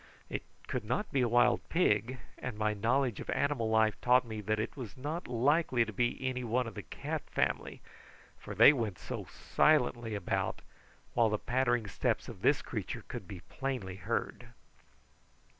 It could not be a wild pig, and my knowledge of animal life taught me that it was not likely to be any one of the cat family, for they went so silently about, while the pattering steps of this creature could be plainly heard.